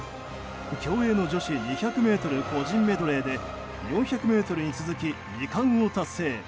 競泳の女子２００ｍ個人メドレーで４００ｍに続き２冠を達成。